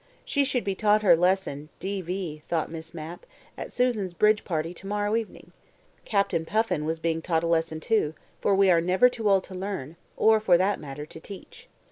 She should be taught her lesson (D.V.), thought Miss Mapp, at Susan's bridge party to morrow evening. Captain Puffin was being taught a lesson, too, for we are never too old to learn, or, for that matter, to teach.